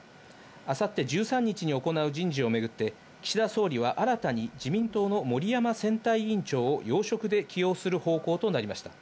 あさって１３日に行う人事を巡って、岸田総理は新たに、自民党の森山選対委員長を要職で起用する方向となりました。